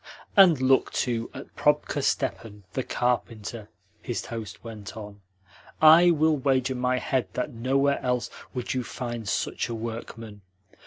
"And look, too, at Probka Stepan, the carpenter," his host went on. "I will wager my head that nowhere else would you find such a workman.